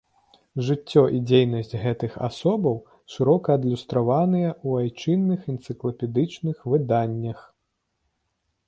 Жыццё і дзейнасць гэтых асобаў шырока адлюстраваныя ў айчынных энцыклапедычных выданнях.